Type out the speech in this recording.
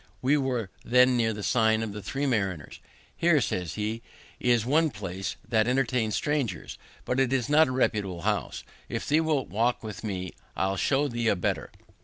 We were then near the sign of the Three Mariners. "Here," says he, "is one place that entertains strangers, but it is not a reputable house; if thee wilt walk with me, I'll show thee a better."